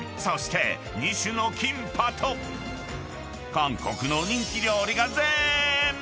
［韓国の人気料理がぜーんぶ